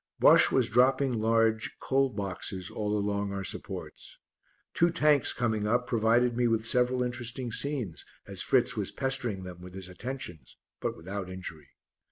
Bosche was dropping large "coal boxes" all along our supports. Two Tanks coming up provided me with several interesting scenes as Fritz was pestering them with his attentions but without injury.